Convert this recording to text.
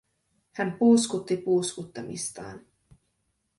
Hän puuskutti puuskuttamistaan.